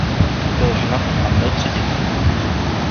Byl ženatý a měl tři děti.